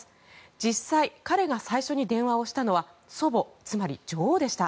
実際、彼が最初に電話をしたのは祖母つまり女王でした。